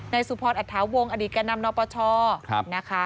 นายสุภนศ์อัดถาวงศ์อดีตการนำนปชนะคะ